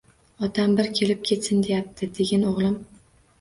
Otam bir kelib ketsin deyapti, degin, o‘g‘lim